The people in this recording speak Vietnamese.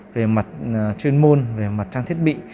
về mặt chuyên môn về mặt trang thiết bị